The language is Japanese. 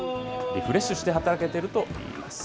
リフレッシュして働けてるといいます。